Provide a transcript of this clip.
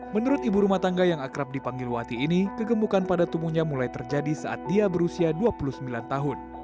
menurut ibu rumah tangga yang akrab dipanggil wati ini kegembukan pada tubuhnya mulai terjadi saat dia berusia dua puluh sembilan tahun